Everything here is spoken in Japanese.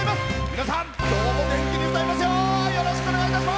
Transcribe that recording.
皆さん今日も元気に歌いますよ。